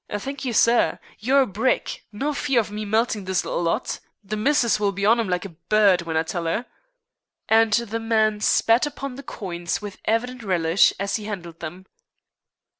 "Thank you, sir. You're a brick. No fear of me meltin' this little lot. The missus will be on 'em like a bird w'en I tell her." And the man spat upon the coins with evident relish as he handled them.